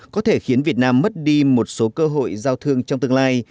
có thể khiến việt nam mất đi một số cơ hội giao thương trong tương lai